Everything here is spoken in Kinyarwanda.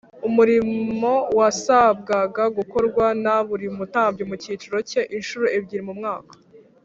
umurimo wasabwaga gukorwa na buri mutambyi mu cyiciro cye inshuro ebyiri mu mwaka